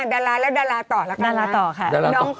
ดาราต่อแล้วกันเถอะค่ะแนะนำก่อน